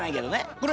これ！